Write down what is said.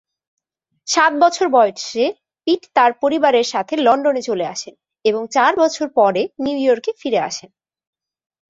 সাত বছর বয়সে, পিট তার পরিবারের সাথে লন্ডনে চলে আসেন এবং চার বছর পরে নিউ ইয়র্কে ফিরে আসেন।